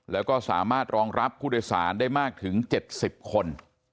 แล้วก็สามารถรองรับผู้โดยสารได้มากถึง๗๐คน